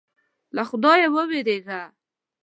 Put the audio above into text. له خدایه وېرېږه.